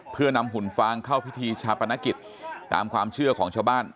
เพื่อนำหุ่นฟางเข้าพิธีชาปนกิจตามความเชื่อของชาวบ้าน